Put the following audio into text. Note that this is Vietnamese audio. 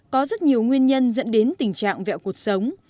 có rất nhiều nguyên nhân dẫn đến tình trạng vẹo cuộc sống